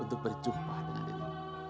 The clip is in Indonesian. untuk berjumpa dengan allah